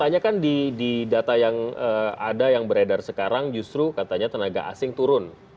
makanya kan di data yang ada yang beredar sekarang justru katanya tenaga asing turun